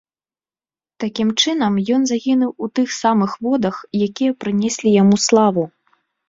Такім чынам, ён загінуў у тых самых водах, якія прынеслі яму славу.